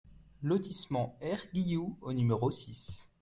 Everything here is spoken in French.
Lotissement R Guilloux au numéro six